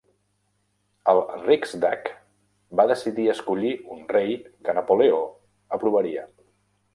El Riksdag va decidir escollir un rei que Napoleó aprovaria.